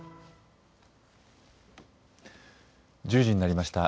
１０時になりました。